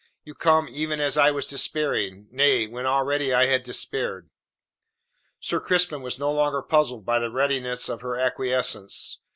"You come even as I was despairing nay, when already I had despaired." Sir Crispin was no longer puzzled by the readiness of her acquiescence.